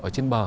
ở trên bờ